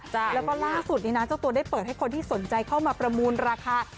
แล้วก็ล่าสุดนี้นะเจ้าตัวได้เปิดให้คนที่สนใจเข้ามาประมูลราคา